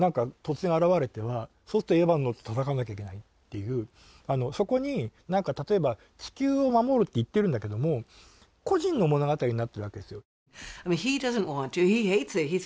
そうするとエヴァに乗って戦わなきゃいけないっていうそこに何か例えば地球を守るって言ってるんだけども個人の物語になってるわけですよ。